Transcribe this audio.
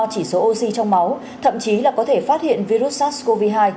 ba chỉ số oxy trong máu thậm chí là có thể phát hiện virus sars cov hai